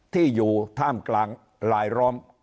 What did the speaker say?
ที่อยู่ท่ามกลางลายล้อม